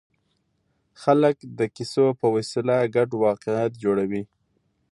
خلک د کیسو په وسیله ګډ واقعیت جوړوي.